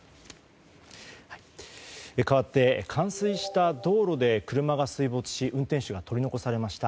かわって冠水した道路で車が水没し運転手が取り残されました。